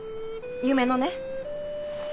夢のね。